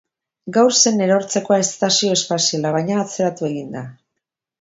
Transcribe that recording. Gaur zen erortzekoa estazio espaziala, baina atzeratu egin da.